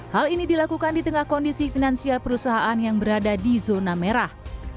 hal ini dilakukan di tengah kondisi finansial perusahaan yang berada di zona merah